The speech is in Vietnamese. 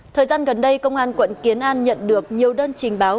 thời gian gần đây công an quận kiến an nhận được nhiều đơn trình báo